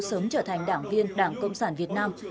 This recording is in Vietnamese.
sớm trở thành đảng viên đảng cộng sản việt nam